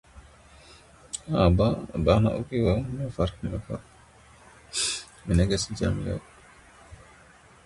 C'est celui qu'emploient les primates pour casser leur noix entre deux pierres.